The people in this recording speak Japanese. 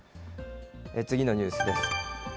次のニュースです。